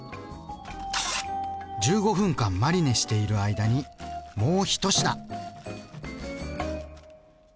１５分間マリネしている間にもう１品！